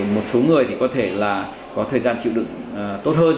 một số người thì có thể là có thời gian chịu đựng tốt hơn